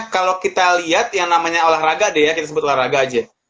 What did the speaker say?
kalau kita lihat yang namanya olahraga deh ya kita sebut olahraga aja